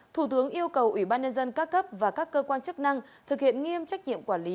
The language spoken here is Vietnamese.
thủ tướng yêu cầu ủy ban nhân dân các cấp và các cơ quan chức năng thực hiện nghiêm trách nhiệm quản lý